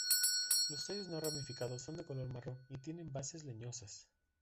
Los tallos no ramificados son de color marrón y tienen bases leñosas.